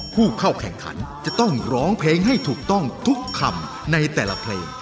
ผู้เข้าแข่งขันจะต้องร้องเพลงให้ถูกต้องทุกคำในแต่ละเพลง